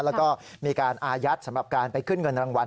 แล้วก็มีการอายัดสำหรับการไปขึ้นเงินรางวัล